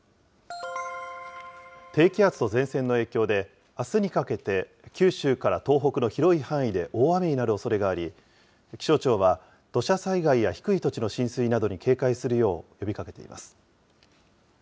低気圧と前線の影響で、あすにかけて九州から東北の広い範囲で大雨になるおそれがあり、気象庁は、土砂災害や低い土地の浸水などに警戒するよう呼びかけています。